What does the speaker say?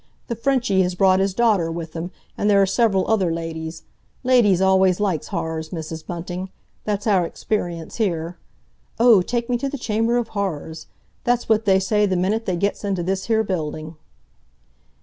The Frenchy has brought his daughter with him, and there are several other ladies. Ladies always likes horrors, Mrs. Bunting; that's our experience here. 'Oh, take me to the Chamber of Horrors'—that's what they say the minute they gets into this here building!"